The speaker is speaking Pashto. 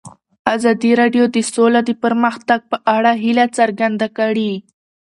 ازادي راډیو د سوله د پرمختګ په اړه هیله څرګنده کړې.